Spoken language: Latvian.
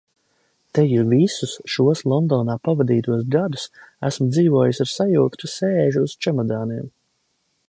Teju visus šos Londonā pavadītos gadus esmu dzīvojusi ar sajūtu, ka sēžu uz čemodāniem.